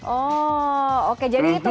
oh oke jadi itu